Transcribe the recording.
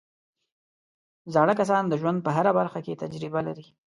زاړه کسان د ژوند په هره برخه کې تجربه لري